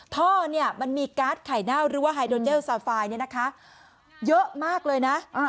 ท่อมันมีกาสไข่หน้าวหรือไฮโดนเจลซาไฟล์เยอะมากเลยนะ